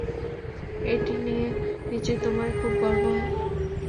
এটা নিয়ে নিশ্চয় তোমার খুব গর্ব হয়।